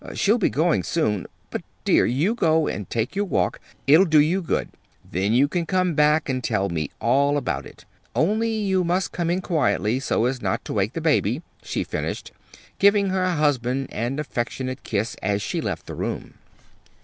She'll be going soon. But, dear, you go and take your walk. It'll do you good. Then you can come back and tell me all about it only you must come in quietly, so not to wake the baby," she finished, giving her husband an affectionate kiss, as she left the room.